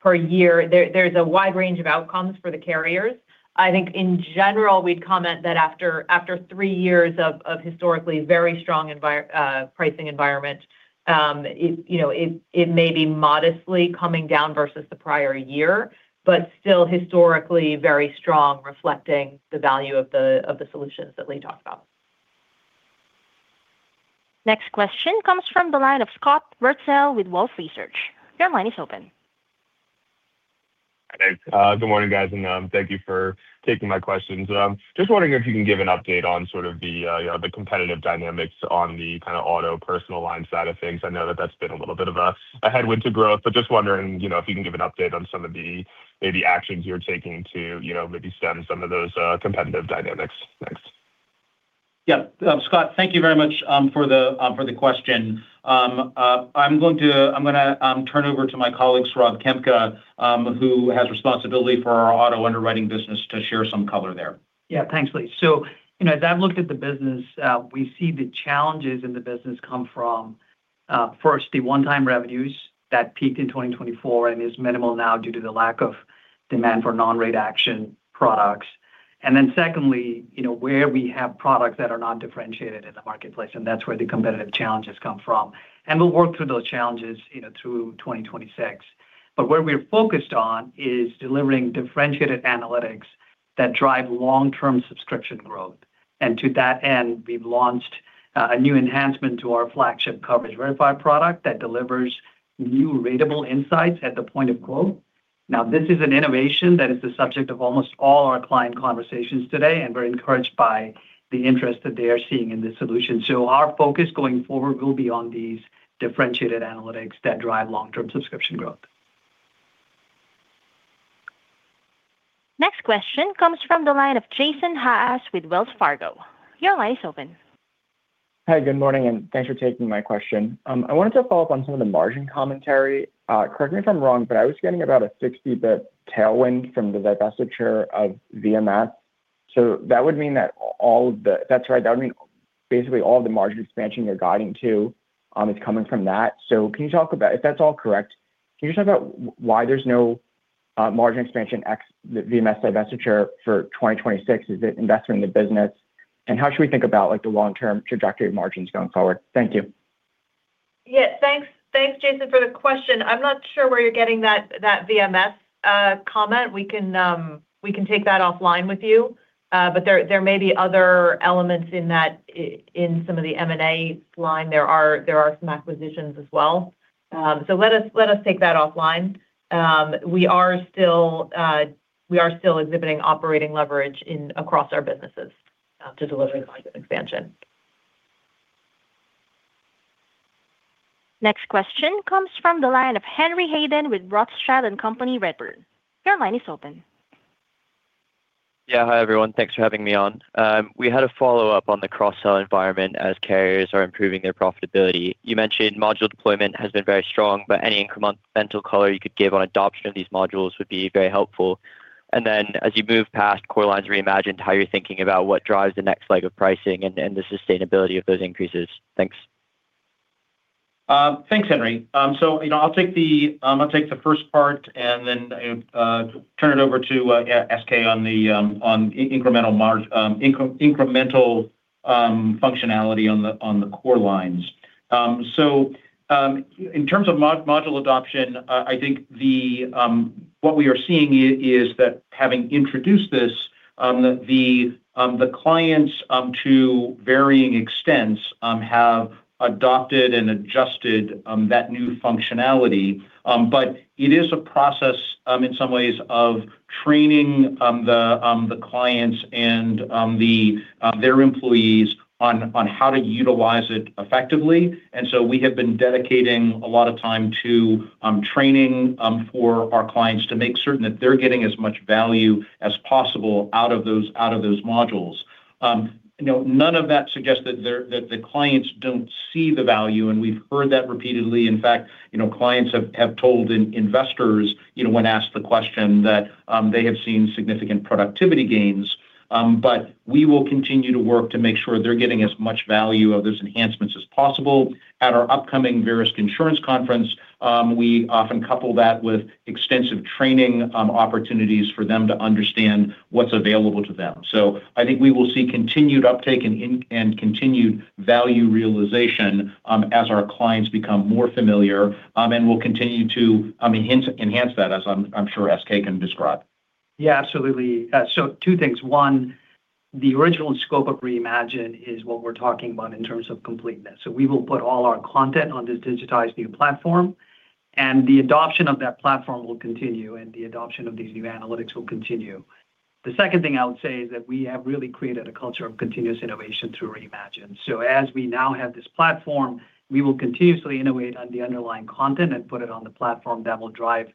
per year. There's a wide range of outcomes for the carriers. I think in general, we'd comment that after three years of historically very strong pricing environment, it may be modestly coming down versus the prior year, but still historically very strong, reflecting the value of the solutions that Lee talked about. Next question comes from the line of Scott Wurtzel with Wolfe Research. Your line is open. Hi, there. Good morning, guys, and thank you for taking my questions. Just wondering if you can give an update on sort of the, you know, the competitive dynamics on the kind of auto personal line side of things. I know that that's been a little bit of a headwind to growth, but just wondering, you know, if you can give an update on some of the maybe actions you're taking to, you know, maybe stem some of those competitive dynamics. Thanks. Yeah. Scott, thank you very much for the question. I'm gonna turn over to my colleague, Saurabh Khemka, who has responsibility for our auto underwriting business, to share some color there. Yeah. Thanks, Lee. So, you know, as I've looked at the business, we see the challenges in the business come from, first, the one-time revenues that peaked in 2024 and is minimal now due to the lack of demand for non-rate action products. And then secondly, you know, where we have products that are not differentiated in the marketplace, and that's where the competitive challenges come from. And we'll work through those challenges, you know, through 2026. But where we're focused on is delivering differentiated analytics that drive long-term subscription growth. And to that end, we've launched a new enhancement to our flagship Coverage Verifier product that delivers new ratable insights at the point of quote. Now, this is an innovation that is the subject of almost all our client conversations today, and we're encouraged by the interest that they are seeing in this solution. Our focus going forward will be on these differentiated analytics that drive long-term subscription growth. Next question comes from the line of Jason Haas with Wells Fargo. Your line is open. Hi, good morning, and thanks for taking my question. I wanted to follow up on some of the margin commentary. Correct me if I'm wrong, but I was getting about a 60 basis point tailwind from the divestiture of VMS. So that would mean that all of the... That's right. That would mean basically all the margin expansion you're guiding to is coming from that. So can you talk about. If that's all correct, can you talk about why there's no margin expansion ex the VMS divestiture for 2026? Is it investment in the business, and how should we think about, like, the long-term trajectory of margins going forward? Thank you. Yeah, thanks, thanks, Jason, for the question. I'm not sure where you're getting that, that VMS comment. We can, we can take that offline with you, but there, there may be other elements in that, in some of the M&A line. There are, there are some acquisitions as well. So let us, let us take that offline. We are still, we are still exhibiting operating leverage across our businesses, to deliver the expansion. Next question comes from the line of Henry Hayden with Redburn Atlantic. Your line is open. Yeah. Hi, everyone. Thanks for having me on. We had a follow-up on the cross-sell environment as carriers are improving their profitability. You mentioned module deployment has been very strong, but any incremental color you could give on adoption of these modules would be very helpful. And then, as you move past Core Lines Reimagine, how you're thinking about what drives the next leg of pricing and the sustainability of those increases? Thanks. Thanks, Henry. So, you know, I'll take the first part and then turn it over to, yeah, SK on the incremental functionality on the core lines. So, in terms of module adoption, I think what we are seeing is that having introduced this, the clients to varying extents have adopted and adjusted that new functionality. But it is a process in some ways of training the clients and their employees on how to utilize it effectively. And so we have been dedicating a lot of time to training for our clients to make certain that they're getting as much value as possible out of those modules. You know, none of that suggests that the clients don't see the value, and we've heard that repeatedly. In fact, you know, clients have told investors, you know, when asked the question, that they have seen significant productivity gains. But we will continue to work to make sure they're getting as much value of those enhancements as possible. At our upcoming Verisk Insurance Conference, we often couple that with extensive training opportunities for them to understand what's available to them. So I think we will see continued uptake and continued value realization, as our clients become more familiar, and we'll continue to enhance that, as I'm sure SK can describe. Yeah, absolutely. So two things. One, the original scope of Reimagine is what we're talking about in terms of completeness. So we will put all our content on this digitized new platform, and the adoption of that platform will continue, and the adoption of these new analytics will continue. The second thing I would say is that we have really created a culture of continuous innovation through Reimagine. So as we now have this platform, we will continuously innovate on the underlying content and put it on the platform that will drive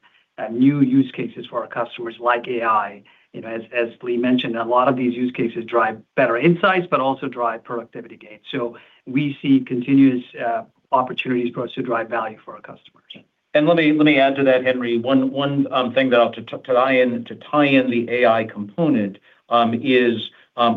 new use cases for our customers, like AI. You know, as, as Lee mentioned, a lot of these use cases drive better insights but also drive productivity gains. So we see continuous opportunities for us to drive value for our customers. Let me add to that, Henry. One thing that I'll to tie in the AI component is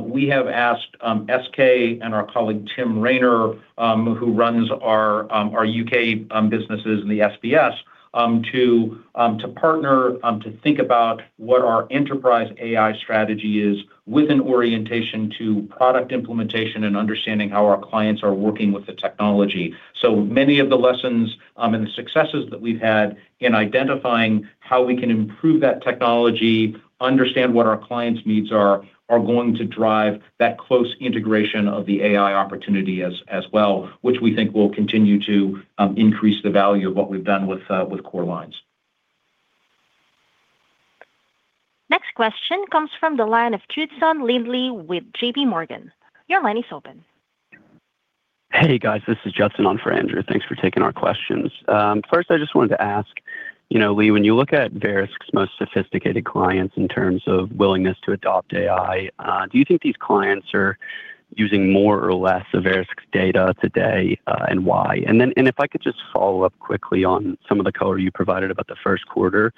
we have asked SK and our colleague, Tim Rayner, who runs our U.K. businesses and the SBS to partner to think about what our enterprise AI strategy is with an orientation to product implementation and understanding how our clients are working with the technology. So many of the lessons and the successes that we've had in identifying how we can improve that technology, understand what our clients' needs are, are going to drive that close integration of the AI opportunity as well, which we think will continue to increase the value of what we've done with core lines. Next question comes from the line of Judson Lindley with JPMorgan. Your line is open. Hey, guys. This is Judson on for Andrew. Thanks for taking our questions. First, I just wanted to ask, you know, Lee, when you look at Verisk's most sophisticated clients in terms of willingness to adopt AI, do you think these clients are using more or less of Verisk's data today, and why? And then, if I could just follow up quickly on some of the color you provided about the first quarter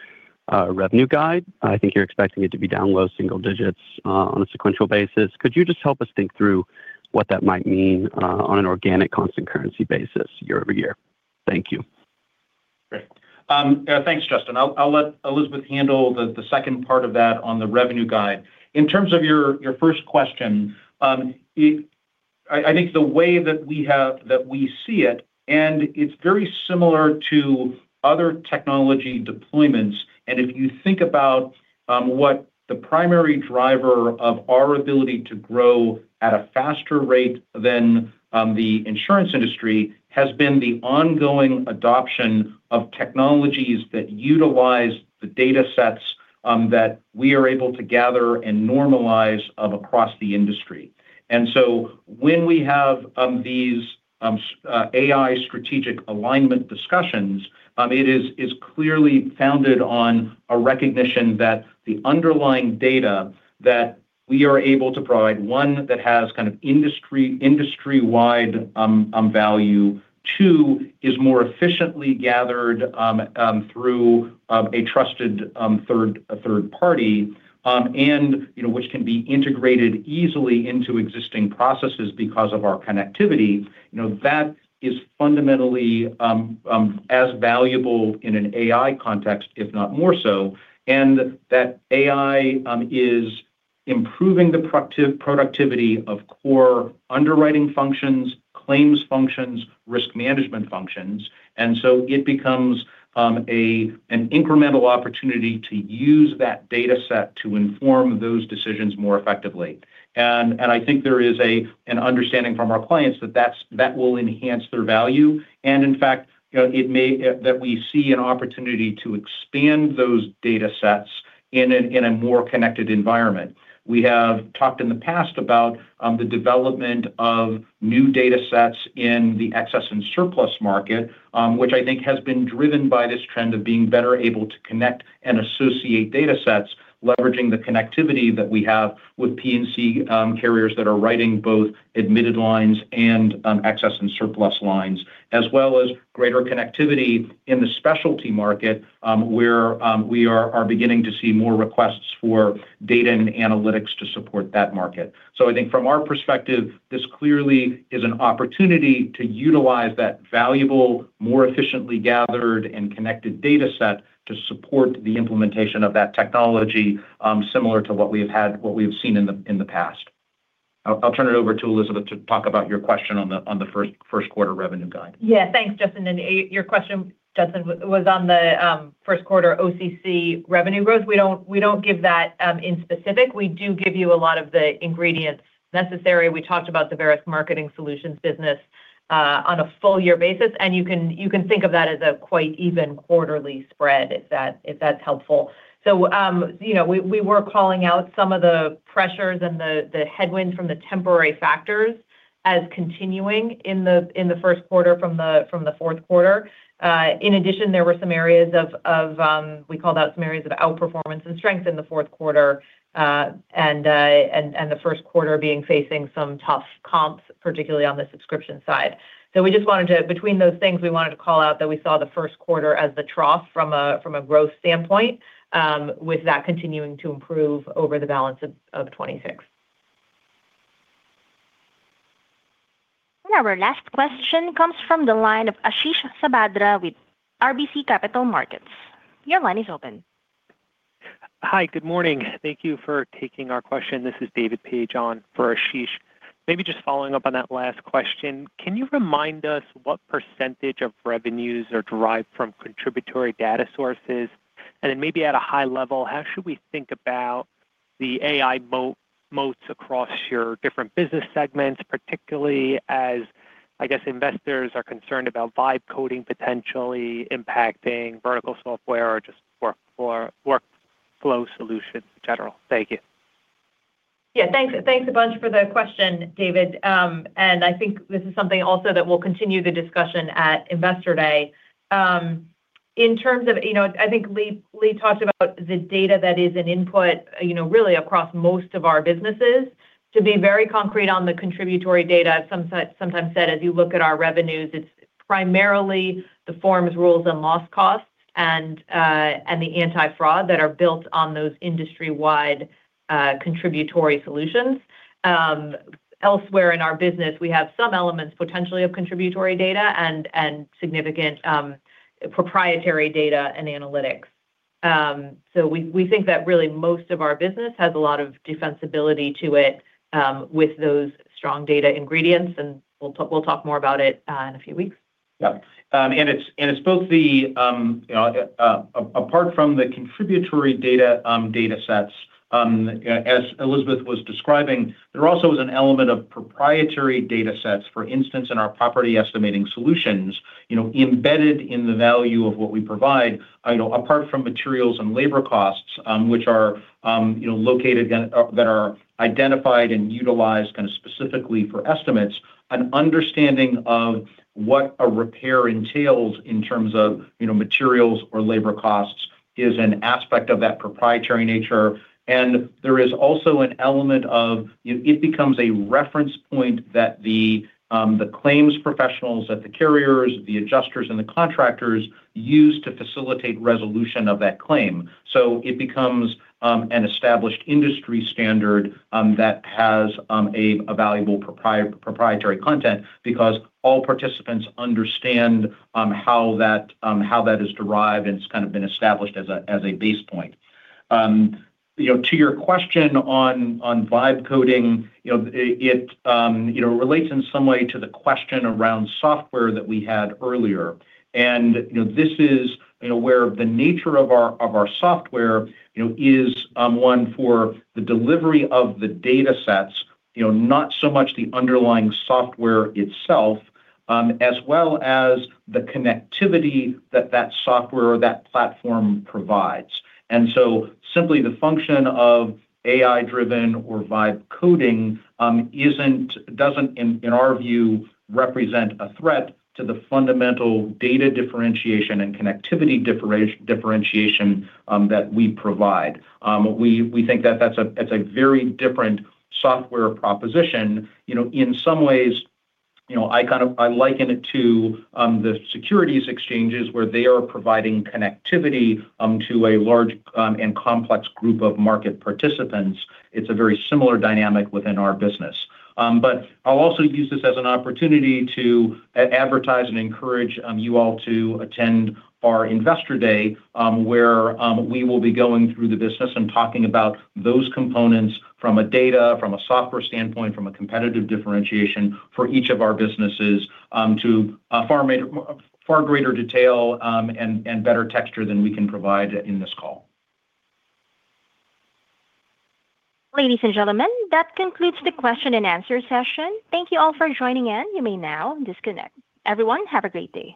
revenue guide. I think you're expecting it to be down low single digits on a sequential basis. Could you just help us think through what that might mean on an organic constant currency basis year-over-year? Thank you. Great. Thanks, Justin. I'll let Elizabeth handle the second part of that on the revenue guide. In terms of your first question, it. I think the way that we see it, and it's very similar to other technology deployments, and if you think about what the primary driver of our ability to grow at a faster rate than the insurance industry has been the ongoing adoption of technologies that utilize the datasets that we are able to gather and normalize across the industry. And so when we have these AI strategic alignment discussions, it is clearly founded on a recognition that the underlying data that we are able to provide, one, that has kind of industry-wide value. Two is more efficiently gathered through a trusted third party, and, you know, which can be integrated easily into existing processes because of our connectivity. You know, that is fundamentally as valuable in an AI context, if not more so, and that AI is improving the productivity of core underwriting functions, claims functions, risk management functions, and so it becomes an incremental opportunity to use that dataset to inform those decisions more effectively. And I think there is an understanding from our clients that that will enhance their value, and in fact, you know, it may that we see an opportunity to expand those datasets in a more connected environment. We have talked in the past about the development of new datasets in the excess and surplus market, which I think has been driven by this trend of being better able to connect and associate datasets, leveraging the connectivity that we have with P&C carriers that are writing both admitted lines and excess and surplus lines, as well as greater connectivity in the specialty market, where we are beginning to see more requests for data and analytics to support that market. So I think from our perspective, this clearly is an opportunity to utilize that valuable, more efficiently gathered and connected dataset to support the implementation of that technology, similar to what we have seen in the past. I'll turn it over to Elizabeth to talk about your question on the first quarter revenue guide. Yeah. Thanks, Justin, and your question, Justin, was on the first quarter OCC revenue growth. We don't, we don't give that in specific. We do give you a lot of the ingredients necessary. We talked about the Verisk Marketing Solutions business on a full year basis, and you can, you can think of that as a quite even quarterly spread, if that's helpful. You know, we were calling out some of the pressures and the headwinds from the temporary factors as continuing in the first quarter from the fourth quarter. In addition, there were some areas of, we called out some areas of outperformance and strength in the fourth quarter, and the first quarter being facing some tough comps, particularly on the subscription side. So we just wanted to, between those things, we wanted to call out that we saw the first quarter as the trough from a growth standpoint, with that continuing to improve over the balance of 2026. Our last question comes from the line of Ashish Sabadra with RBC Capital Markets. Your line is open. Hi, good morning. Thank you for taking our question. This is David Paige on for Ashish. Maybe just following up on that last question, can you remind us what percentage of revenues are derived from contributory data sources? And then maybe at a high level, how should we think about the AI moats across your different business segments, particularly as, I guess, investors are concerned about vibe coding potentially impacting vertical software or just work, for workflow solutions in general? Thank you. Yeah, thanks, thanks a bunch for the question, David. And I think this is something also that we'll continue the discussion at Investor Day. In terms of, you know, I think Lee, Lee talked about the data that is an input, you know, really across most of our businesses. To be very concrete on the contributory data, sometimes, sometimes said, as you look at our revenues, it's primarily the Forms, Rules, and Loss Costs and, and the anti-fraud that are built on those industry-wide, contributory solutions. Elsewhere in our business, we have some elements potentially of contributory data and, and significant, proprietary data and analytics. So we, we think that really most of our business has a lot of defensibility to it, with those strong data ingredients, and we'll talk, we'll talk more about it, in a few weeks. Yeah. And it's both the, you know, apart from the contributory data, datasets, as Elizabeth was describing, there also is an element of proprietary datasets, for instance, in our Property Estimating Solutions, you know, embedded in the value of what we provide, you know, apart from materials and labor costs, which are, you know, located and that are identified and utilized kinda specifically for estimates. An understanding of what a repair entails in terms of, you know, materials or labor costs is an aspect of that proprietary nature, and there is also an element of... It becomes a reference point that the, the claims professionals at the carriers, the adjusters, and the contractors use to facilitate resolution of that claim. So it becomes an established industry standard that has a valuable proprietary content because all participants understand how that is derived, and it's kind of been established as a base point. You know, to your question on vibe coding, you know, it relates in some way to the question around software that we had earlier. And you know, this is you know, where the nature of our software is one for the delivery of the datasets, you know, not so much the underlying software itself as well as the connectivity that software or that platform provides. Simply the function of AI-driven or vibe coding doesn't, in our view, represent a threat to the fundamental data differentiation and connectivity differentiation that we provide. We think that that's a very different software proposition. You know, in some ways, you know, I kind of... I liken it to the securities exchanges, where they are providing connectivity to a large and complex group of market participants. It's a very similar dynamic within our business. But I'll also use this as an opportunity to advertise and encourage you all to attend our Investor Day, where we will be going through the business and talking about those components from a data, from a software standpoint, from a competitive differentiation for each of our businesses, to a far major, far greater detail, and better texture than we can provide in this call. Ladies and gentlemen, that concludes the question and answer session. Thank you all for joining in. You may now disconnect. Everyone, have a great day.